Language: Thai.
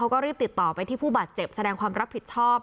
ก็รีบติดต่อไปที่ผู้บาดเจ็บแสดงความรับผิดชอบ